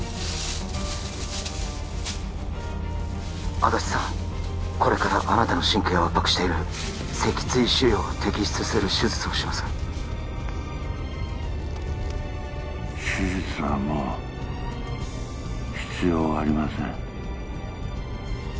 安達さんこれからあなたの神経を圧迫している脊椎腫瘍を摘出する手術をします手術はもう必要ありません